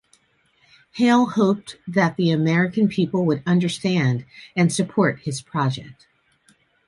Hale hoped that the American people would understand and support his project.